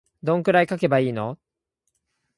どんくらい書けばいいの